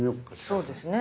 そうですね。